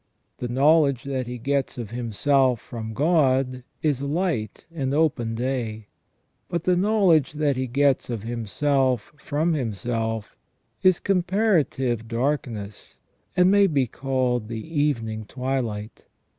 The knowledge that he gets of himself from God is light and open day ; but the knowledge that he gets of himself from himself is comparative darkness, and may be called the evening twilight.